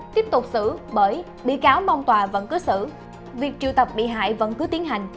tiếp tục xử bởi bị cáo mong tòa vẫn có xử việc triệu tập bị hại vẫn cứ tiến hành